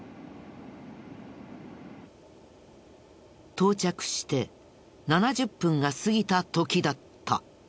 到着して７０分が過ぎた時だった。